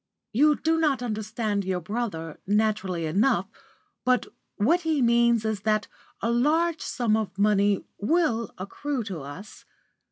"You do not understand your brother, naturally enough, but what he means is that a large sum of money will accrue to us.